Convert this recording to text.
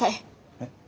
えっ？